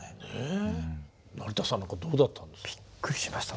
成田さんなんかどうだったんですか？